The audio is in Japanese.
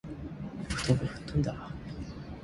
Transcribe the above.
布団が吹っ飛んだあ